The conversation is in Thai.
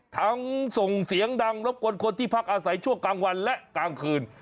ส่งเสียงดังรบกวนคนที่พักอาศัยช่วงกลางวันและกลางคืน